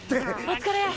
お疲れ！